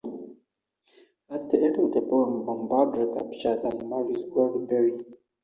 At the end of the poem, Bombadil captures and marries Goldberry.